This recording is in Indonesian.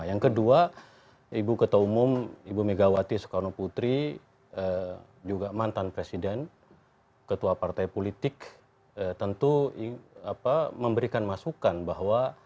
yang kedua ibu ketua umum ibu megawati soekarno putri juga mantan presiden ketua partai politik tentu memberikan masukan bahwa